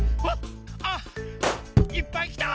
あっいっぱいきた。